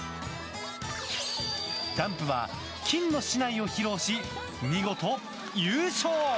ダンプは金の竹刀を披露し見事優勝。